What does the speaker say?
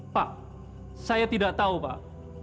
pak saya tidak tahu pak